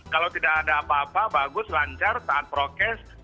kalau tidak ada apa apa bagus lancar tahan prokes